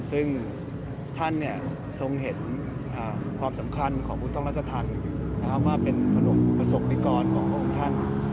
ซึ่งท่านทรงเห็นความสำคัญของพุทธมราชธรรมว่าเป็นประสบนิกรของพระองค์ท่าน